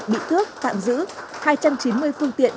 bị cướp tạm giữ hai trăm chín mươi phương tiện